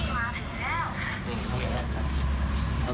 ไม่ต้องขอบภัยเยอะ